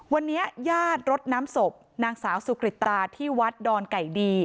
วันนี้ญาติรดน้ำศพนางสาวสุกริตราที่วัดดอนไก่ดี